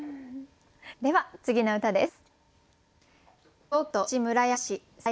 では次の歌です。